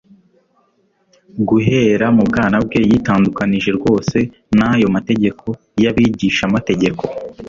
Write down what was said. Guhera mu bwana bwe yitandukanije rwose n'ayo mategeko y'abigishamategeko.